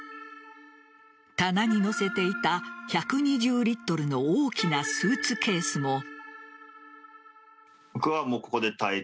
棚に載せていた１２０リットルの大きなスーツケースも。